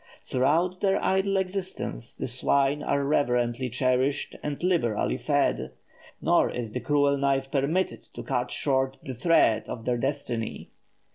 Throughout their idle existence, the swine are reverentially cherished and liberally fed; nor is the cruel knife permitted to cut short the thread of their destiny.